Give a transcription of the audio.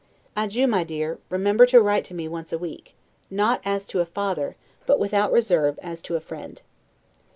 Adieu, my dear; remember to write to me once a week, not as to a father, but, without reserve, as to a friend.